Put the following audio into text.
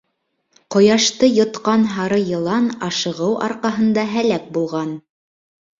Ҡояшты йотҡан һары йылан ашығыу арҡаһында һәләк булған.